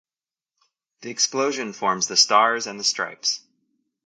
The explosion forms the Stars and Stripes.